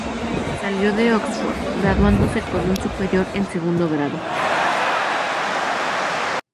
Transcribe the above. Salió de Oxford graduándose con un superior en segundo grado.